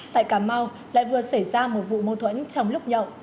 tại cà mau lại vừa xảy ra một vụ mâu thuẫn trong lúc nhậu